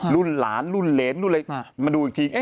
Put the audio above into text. รุ่นล้านรุ่นเลสมาดูอีกที